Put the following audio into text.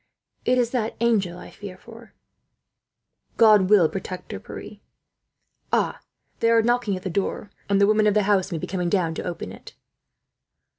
It is that angel I fear for." "God will protect her, Pierre. Ah! They are knocking at the door, and the women of the house may be coming down to open it."